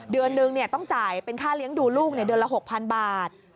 เดือนนึงต้องจ่ายเป็นค่าเลี้ยงดูลูกเดือนละ๖๐๐๐บาท